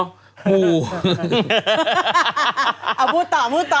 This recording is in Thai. อะพูดต่อ